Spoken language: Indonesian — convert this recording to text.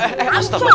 eh eh astaghfirullah